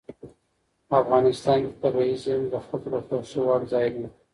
افغانستان کې طبیعي زیرمې د خلکو د خوښې وړ ځای دی.